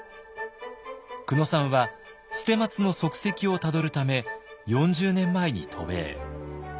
久野さんは捨松の足跡をたどるため４０年前に渡米。